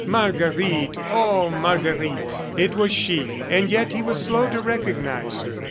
"Marguerite! Oh, Marguerite!" ... It was she, and yet he was slow to recognize her.